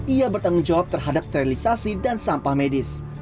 ia bertanggung jawab terhadap sterilisasi dan sampah medis